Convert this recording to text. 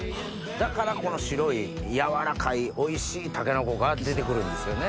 だからこの白い柔らかいおいしい筍が出て来るんですよね。